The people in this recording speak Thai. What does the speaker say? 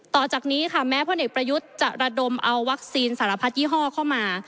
ต่อจากนี้ค่ะแม้พลเอกประยุทธ์จะระดมเอาวัคซีนสารพัดยี่ห้อเข้ามา